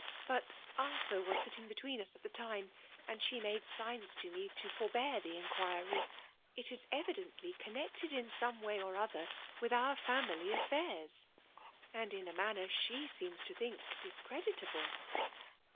Bat Arthur was sitting between us at the tiae; and she made signs to me to forbear the in quicy* It is evidently connected in. some way. or other with our family affairs, and in u manner she seems fo think discreditable